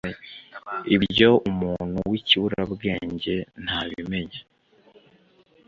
Ibyo umuntu w’ikiburabwenge ntabimenya